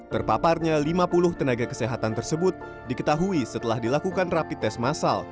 terpaparnya lima puluh tenaga kesehatan tersebut diketahui setelah dilakukan rapid test massal